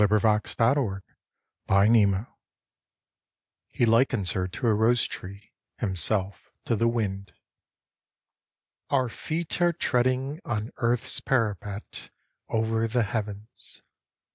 54 IN THE NET OF THE STABS He likens Her to a Rose tree, Himself to the Wind OUR feet are treading on earth's parapet Over the heavens.